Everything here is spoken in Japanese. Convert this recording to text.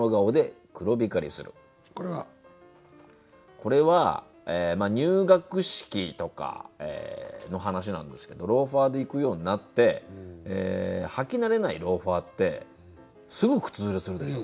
これは入学式とかの話なんですけどローファーで行くようになって履き慣れないローファーってすぐ靴ずれするでしょ。